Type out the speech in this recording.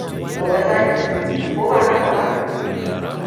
Gobe za ki yi, ko ba haka ba?